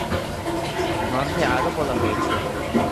এই গ্রন্থে আরও বলা হয়েছে,